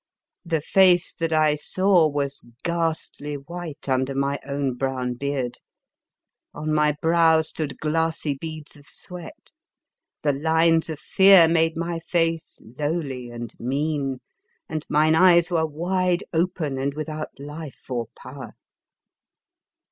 The face that I saw was ghastly 73 The Fearsome Island white under my brown beard, on my brow stood glassy beads of sweat, the lines of fear made my face lowly and mean, and mine eyes were wide open and without life or power.